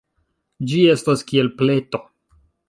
Ĝi estas kiel pleto.